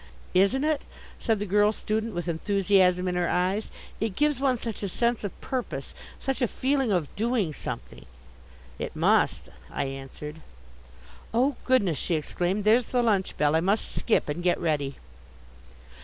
"Isn't it?" said the girl student with enthusiasm in her eyes. "It gives one such a sense of purpose, such a feeling of doing something." "It must," I answered. "Oh, goodness," she exclaimed, "there's the lunch bell. I must skip and get ready."